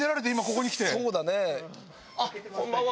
こんばんは。